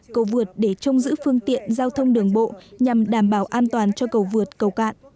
cầu vượt để trông giữ phương tiện giao thông đường bộ nhằm đảm bảo an toàn cho cầu vượt cầu cạn